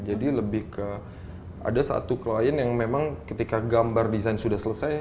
jadi lebih ke ada satu klien yang memang ketika gambar desain sudah selesai